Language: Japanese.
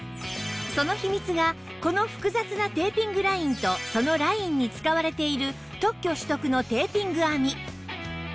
その秘密がこの複雑なテーピングラインとそのラインに使われている特許取得のテーピング編み